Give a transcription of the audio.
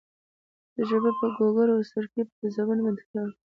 تجربه په ګوګړو او سرکې په تیزابونو باندې تکرار کړئ.